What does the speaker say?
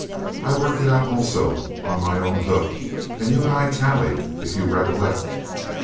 "I worked it out also, on my own hook, and you and I tallied, if you recollect?"